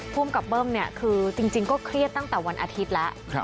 ภูมิกับเบิ้มเนี่ยคือจริงก็เครียดตั้งแต่วันอาทิตย์แล้ว